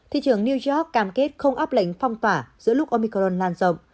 thị trường new york cam kết không áp lệnh phong tỏa giữa lúc omicron lan rộng